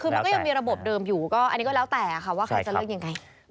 คือมันก็ยังมีระบบเดิมอยู่ก็อันนี้ก็แล้วแต่ค่ะว่าใครจะเลือกยังไง